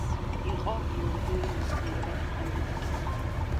იყო იურიდიული მეცნიერებათა კანდიდატი.